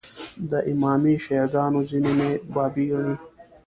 د امامي شیعه ګانو ځینې مې بابي ګڼي.